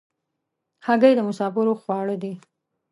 هګۍ د مسافرو خواړه دي.